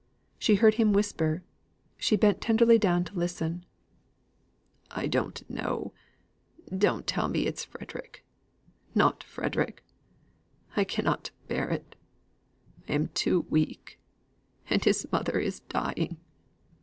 She heard him whisper; she bent tenderly down to listen. "I don't know; don't tell me it is Frederick not Frederick. I cannot bear it, I am too weak. And his mother is dying!"